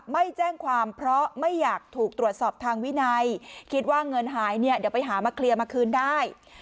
ไม่แจ้งความเพราะไม่อยากถูกตรวจสอบทางวินัยคิดว่าเงินหายเนี่ยเดี๋ยวไปหามาเคลียร์มาคืนได้